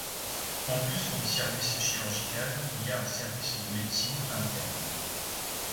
En plus du service chirurgical il y a un service de médecine interne.